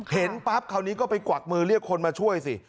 เห็นปั๊บคราวนี้ก็ไปกวักมือเรียกคนมาช่วยสิ